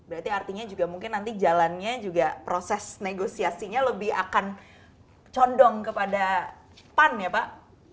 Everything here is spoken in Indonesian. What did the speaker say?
berarti artinya juga mungkin nanti jalannya juga proses negosiasinya lebih akan condong kepada pan ya pak